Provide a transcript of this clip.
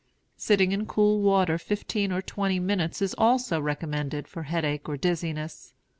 Sitting in cool water fifteen or twenty minutes is also a remedy for headache or dizziness.